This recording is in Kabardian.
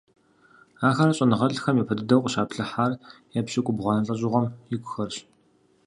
Ахэр щӀэныгъэлӀхэм япэ дыдэу къыщаплъыхьар епщыкӏубгъуанэ лӀэщӀыгъуэм икухэрщ.